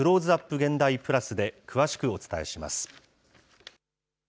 現代プラスで詳しくお伝えします。